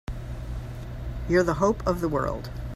You're the hope of the world!